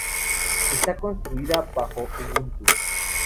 Está construida bajo Ubuntu.